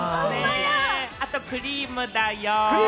あとクリームだよ。